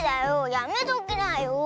やめときなよ。